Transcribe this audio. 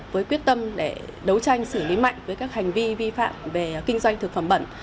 với quyết tâm để đấu tranh xử lý mạnh với các hành vi vi phạm về kinh doanh thực phẩm bẩn